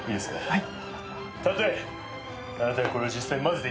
はい。